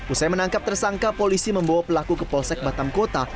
usai menangkap tersangka polisi membawa pelaku ke polsek batam kota